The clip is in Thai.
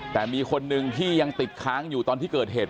แต่มีคนหนึ่งที่ยังติดค้างอยู่ตอนที่เกิดเหตุ